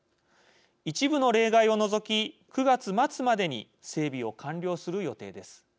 一部の例外を除き、９月末までに整備を完了する予定です。